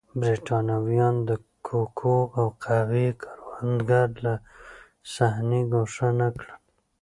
برېټانویانو د کوکو او قهوې کروندګر له صحنې ګوښه نه کړل.